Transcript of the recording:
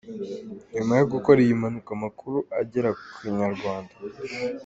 Nyuma yo gukora iyi mpanuka amakuru agera ku Inyarwanda.